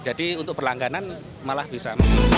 jadi untuk perlangganan malah bisa